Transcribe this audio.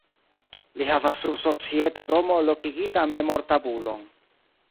Li havas sur Societa domo lokigita memortabulon.